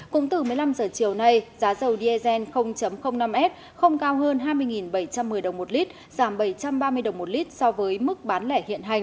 cũng từ một mươi năm h chiều nay giá dầu diesel năm s không cao hơn hai mươi bảy trăm một mươi đồng một lít giảm bảy trăm ba mươi đồng một lít so với mức bán lẻ hiện hành